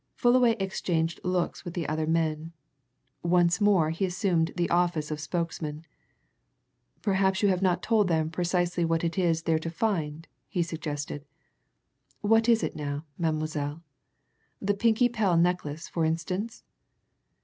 Fullaway exchanged looks with the other men. Once more he assumed the office of spokesman. "Perhaps you have not told them precisely what it is they're to find," he suggested. "What is it now, Mademoiselle? The Pinkie Pell necklace for instance!"